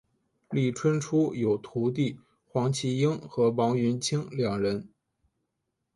李春初有徒弟黄麒英和王云清两人。